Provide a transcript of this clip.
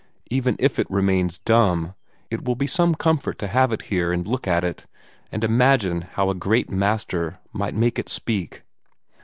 Even if it remains dumb, it will be some comfort to have it here and look at it, and imagine how a great master might make it speak.